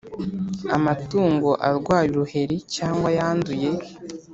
amatungo arwaye uruheri cyangwa yanduye